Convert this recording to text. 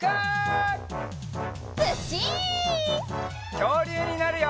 きょうりゅうになるよ！